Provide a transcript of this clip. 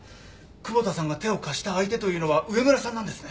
窪田さんが手を貸した相手というのは上村さんなんですね？